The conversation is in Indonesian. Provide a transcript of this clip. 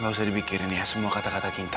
gak usah dibikinin ya semua kata kata kita